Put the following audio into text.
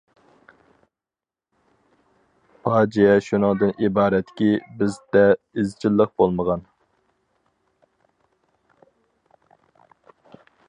پاجىئە شۇنىڭدىن ئىبارەتكى، بىزدە ئىزچىللىق بولمىغان.